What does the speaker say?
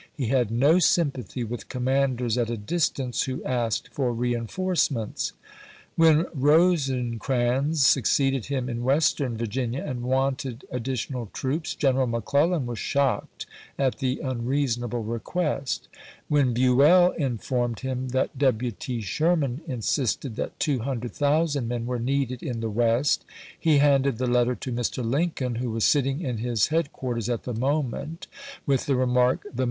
He had no sympathy with commanders at a distance who asked for reenforcements. When Rosecrans suc ceeded him in Western Virginia, and wanted ad ditional troops, General McClellan was shocked at the unreasonable request. Wlien Buell informed PLANS OF CAMPAIGN 155 him that W. T. Sherman insisted that two hundred chap. ix. thousand men were needed in the West, he handed the letter to Mr. Lincoln, who was sitting in his head quarters at the moment, with the remark, " The w.